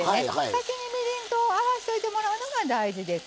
先にみりんと合わしといてもらうのが大事です。